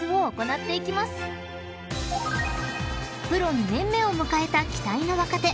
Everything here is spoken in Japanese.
［プロ２年目を迎えた期待の若手